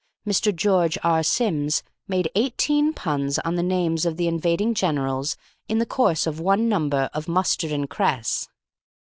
Mr. George R. Sims made eighteen puns on the names of the invading generals in the course of one number of "Mustard and Cress."